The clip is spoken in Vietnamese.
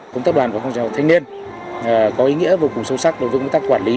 công tác đoàn của công ty học thanh niên có ý nghĩa vô cùng sâu sắc đối với công tác quản lý